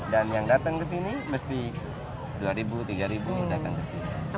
dan yang datang ke sini mesti dua ribu tiga ribu yang datang ke sini